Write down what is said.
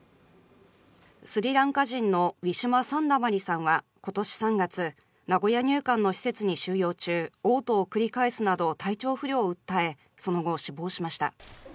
スリランカ人のウィシュマ・サンダマリさんは今年３月、名古屋入管の施設に収容中おう吐を繰り返すなど体調不良を訴えその後、死亡しました。